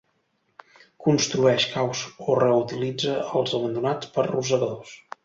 Construeix caus o reutilitza els abandonats per rosegadors.